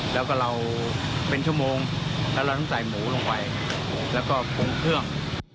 แล้วก็เราทั้งชั่วโมงลงไว้แล้วก็พุงเครื่อง